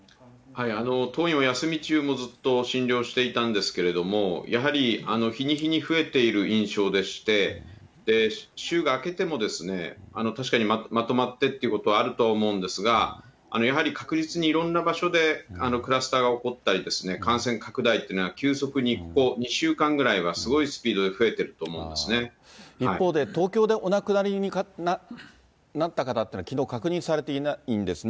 当院は休み中もずっと診療していたんですけれども、やはり日に日に増えている印象でして、週が明けても、確かにまとまってってということはあるとは思うんですが、やはり確実にいろんな場所でクラスターが起こったりとか、感染拡大っていうのが急速にここ２週間ぐらいはすごいスピードで増えてると思一方で、東京でお亡くなりになった方っていうのはきのう確認されていないんですね。